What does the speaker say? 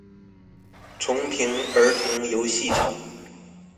重平儿童游戏场